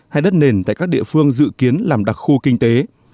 hay đất nền tại các địa phương dự kiến làm đặc khu kinh tế